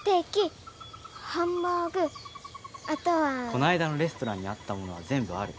こないだのレストランにあったものは全部ある。